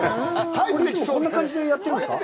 こんな感じでやってるんですか？